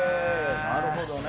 なるほどね。